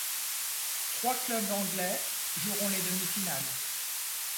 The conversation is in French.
Trois clubs anglais joueront les demi-finales.